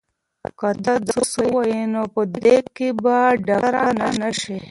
که ته درس ووایې نو په دې کې به ډاکټره نه شې.